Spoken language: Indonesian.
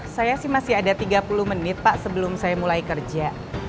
saya sih masih ada tiga puluh menit pak sebelum saya mulai kerja